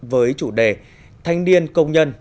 với chủ đề thanh niên công nhân